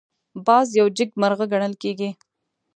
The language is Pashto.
باز یو جګمرغه ګڼل کېږي